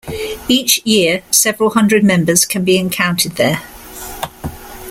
Each year, several hundred members can be encountered there.